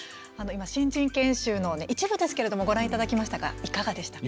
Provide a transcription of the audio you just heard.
今、新人研修の一部ですけれどもご覧いただきましたがいかがでした？